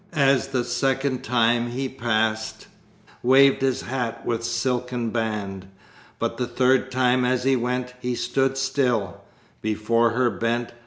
As the second time he passed Waved his hat with silken band. But the third time as he went He stood still: before her bent.